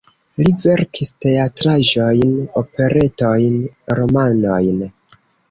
Li verkis teatraĵojn, operetojn, romanojn.